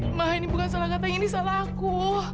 emang ini bukan salah kata ini salah aku